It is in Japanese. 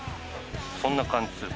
そんな感じする。